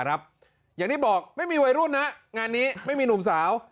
อย่างที่บอกไม่มีวัยรุ่นนะงานนี้ไม่มีหนุ่มสาว